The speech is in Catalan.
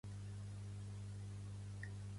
Pertany al moviment independentista l'Enriqueta?